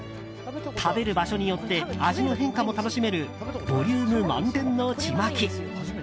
食べる場所によって味の変化も楽しめるボリューム満点のちまき。